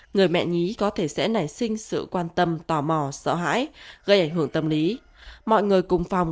người mẹ nhí có thể sẽ nảy sinh sự quan tâm tò mò sợ hãi gây ảnh hưởng tâm lý mọi người cùng phòng